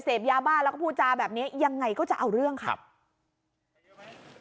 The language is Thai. เสพยาบ้าแล้วก็พูดจาแบบนี้ยังไงก็จะเอาเรื่องค่ะครับ